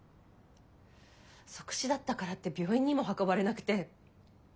即死だったからって病院にも運ばれなくて。